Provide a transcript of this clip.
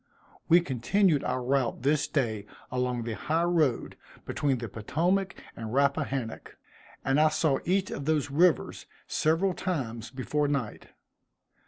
We continued our route this day along the high road between the Potomac and Rappahannock; and I saw each of those rivers several times before night.